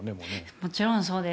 もちろんそうです。